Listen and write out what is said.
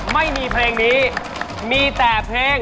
ไม่มีเพลงนี้มีแต่เพลง